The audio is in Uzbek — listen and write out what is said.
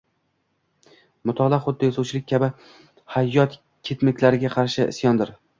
Mutolaa, xuddi yozuvchilik kabi hayot kemtikliklariga qarshi isyondir